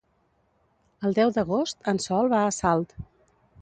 El deu d'agost en Sol va a Salt.